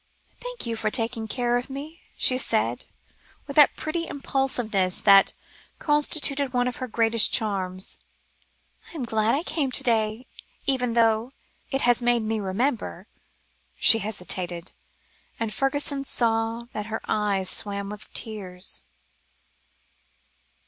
"Thank you for taking care of me," she said, with that pretty impulsiveness that constituted one of her greatest charms. "I am glad I came to day even though it has made me remember " she hesitated, and Fergusson saw that her eyes swam with tears.